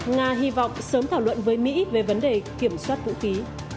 nga hy vọng sớm thảo luận với mỹ về vấn đề kiểm soát vũ khí